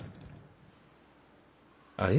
あれ？